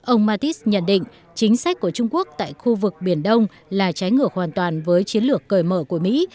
ông mattis nhận định chính sách của trung quốc tại khu vực biển đông là trái ngược hoàn toàn với chiến lược cởi mở của mỹ